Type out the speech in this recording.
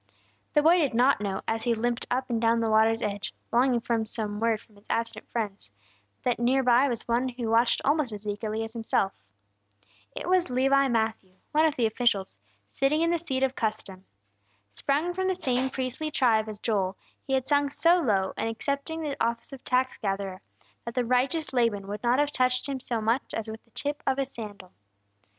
The boy did not know, as he limped up and down the water's edge, longing for some word from his absent friends, that near by was one who watched almost as eagerly as himself. It was Levi Matthew, one of the officials, sitting in the seat of custom. Sprung from the same priestly tribe as Joel, he had sunk so low, in accepting the office of tax gatherer, that the righteous Laban would not have touched him so much as with the tip of his sandal.